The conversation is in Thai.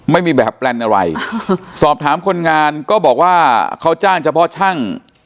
ไม่มีแบบแปลนอะไรสอบถามคนงานก็บอกว่าเขาจ้างเฉพาะช่าง